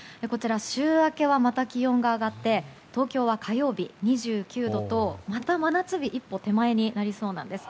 週明けは、また気温が上がって東京は火曜日、２９度とまた真夏日一歩手前になりそうなんです。